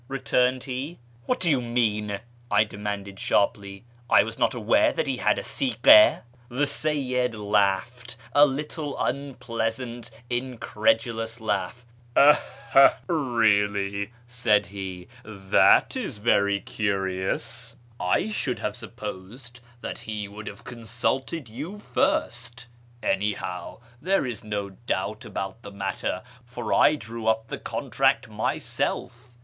returned he. " What do you mean ?" I demanded sharply ;" I was not aware that he liad a stfjJia." The Seyyid laughed — a little, unpleasant, incredulous laugh. " Really ?" said he ;" that is very curious. I should i 46;: ./ YEAR AMONGST THE PERSIANS have supposed that he would liave consulted you first. Any how, there is no douht ahout tlic matter, for \ ilicw up tlui contract myself.